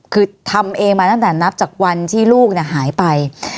คือทำเองมาตั้งแต่นับจากวันที่ลูกหายไป